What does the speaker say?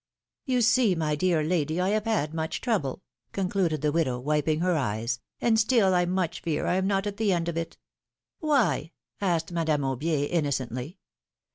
OU see, my dear lady, I have had much trouble,^^ concluded the widow, wiping her eyes, and still I much fear I am not at the end of it/^ " Why ? asked Madame Aubier, innocently.